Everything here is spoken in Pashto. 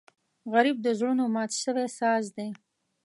غریب د زړونو مات شوی ساز دی